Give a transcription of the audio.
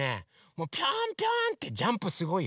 もうピョンピョンってジャンプすごいよ。